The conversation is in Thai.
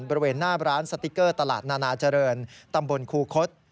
บริเวณหน้าร้านสติ๊กเกอร์ตลาดนานาเจริญตำบลคูคศ